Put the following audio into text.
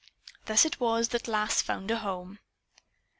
Thus it was that Lass found a home.